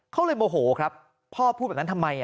เขาเลยโมโหครับพ่อพูดแบบนั้นทำไม